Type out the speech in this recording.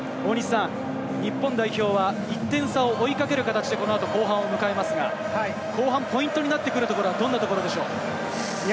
日本代表は１点差を追いかける形でこのあと後半を迎えますが、ポイントになってくるところはどんなところでしょう？